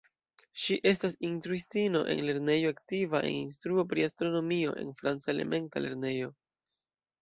Ŝi estas instruistino en lernejo, aktiva en instruo pri astronomio en franca elementa lernejo.